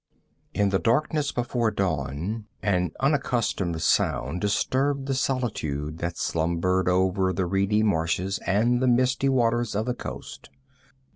3 In the darkness before dawn an unaccustomed sound disturbed the solitude that slumbered over the reedy marshes and the misty waters of the coast.